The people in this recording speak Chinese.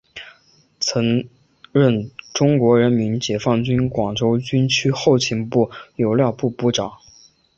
曾任中国人民解放军广州军区后勤部油料部部长。